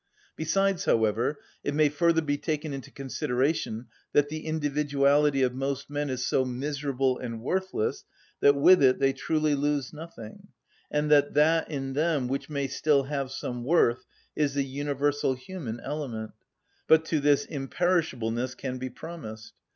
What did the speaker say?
Besides, however, it may further be taken into consideration that the individuality of most men is so miserable and worthless that with it they truly lose nothing, and that that in them which may still have some worth is the universal human element; but to this imperishableness can be promised.